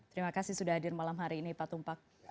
terima kasih sudah hadir malam hari ini pak tumpak